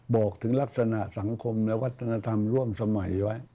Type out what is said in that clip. บอกถึงลักษณะสังคมและวัฒนธรรมร่วมสมัยไว้